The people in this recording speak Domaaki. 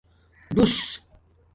ڈݸس